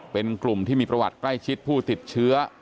เป็นกลุ่มที่มีประวัติใกล้ชิดผู้ติดเชื้อ